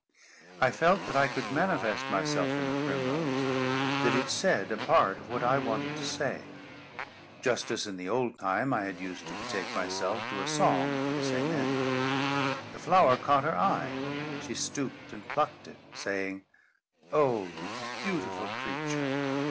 I felt that I could manifest myself in the primrose; that it said a part of what I wanted to say; just as in the old time, I had used to betake myself to a song for the same end. The flower caught her eye. She stooped and plucked it, saying, "Oh, you beautiful creature!"